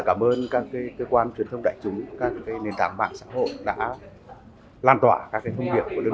cảm ơn các cơ quan truyền thông đại chúng các nền tảng mạng xã hội đã lan tỏa các thông điệp của liên